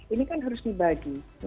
ini kan harus dibagi